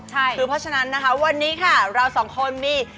คือเพราะฉะนั้นวันนี้ค่ะเราสองคนมี